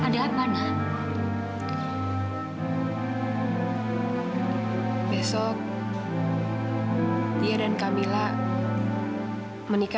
dia pasti sedih sekali